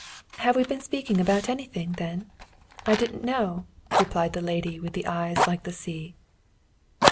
"Have we been speaking about anything, then? I didn't know!" replied the lady with the eyes like the sea.